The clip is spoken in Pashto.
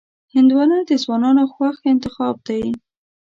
هندوانه د ځوانانو خوښ انتخاب دی.